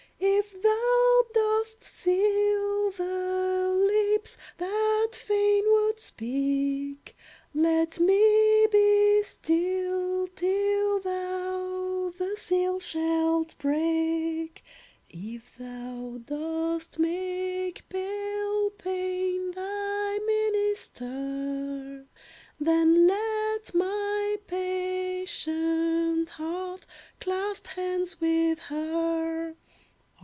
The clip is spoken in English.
If thou dost seal the lips That fain would speak, Let me be still till thou The seal shalt break. If thou dost make pale Pain Thy minister, Then let my patient heart Clasp hands with her.